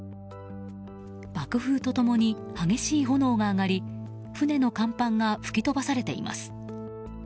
爆風と共に激しい炎が上がり船の甲板が吹き飛ばされています。